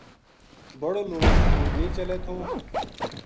بڑو لُڑو سکول نیہہ چلے تھو